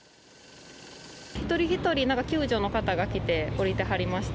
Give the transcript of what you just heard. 一人一人救助の方が来て、降りてはりました。